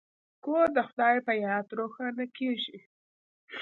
کور د خدای په یاد روښانه کیږي.